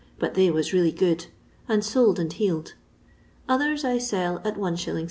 but they was really good, and soled and heeled; others I sell at Is.